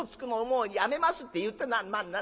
『もうやめます』って言って。